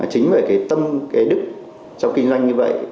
chính vì cái tâm đức trong kinh doanh như vậy